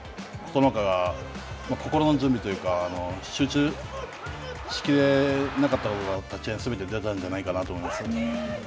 心の準備というか集中し切れなかったのが立ち合いにすべて出たんじゃないかと思います。